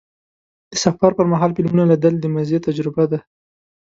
د سفر پر مهال فلمونه لیدل د مزې تجربه ده.